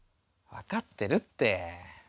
わかってるって。